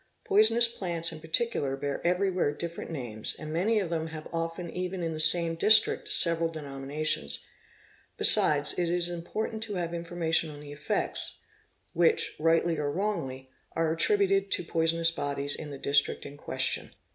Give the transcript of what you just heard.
Poisonous plants in particular bear every where different names and many of them have often even in the same district several denominations; besides it is important to have infor mation on the effects which, rightly or wrongly, are attributed to _ poisonous bodies in the district in question.